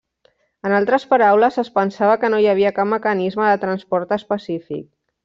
En altres paraules, es pensava que no hi havia cap mecanisme de transport específic.